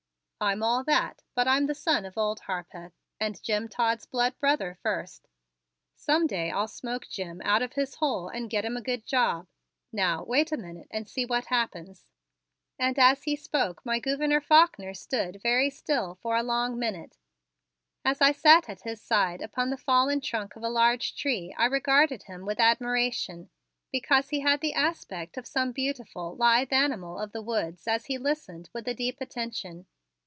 "I'm all that, but I'm the son of Old Harpeth and Jim Todd's blood brother first. Some day I'll smoke Jim out of his hole and get him a good job. Now, wait a minute and see what happens," and as he spoke my Gouverneur Faulkner stood very still for a long minute. As I sat at his side upon the fallen trunk of a large tree I regarded him with admiration, because he had the aspect of some beautiful, lithe animal of the woods as he listened with a deep attention.